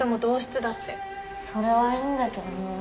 それはいいんだけどね。